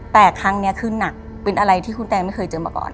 แต่ครั้งนี้คือหนักเป็นอะไรที่คุณแตงไม่เคยเจอมาก่อน